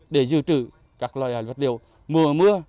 để giữ trừ các loại vật liệu mưa mưa